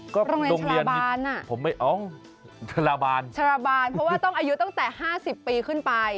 ก็โรงเรียนฉราบานน่ะฉราบานเพราะว่าต้องอายุตั้งแต่๕๐ปีขึ้นไป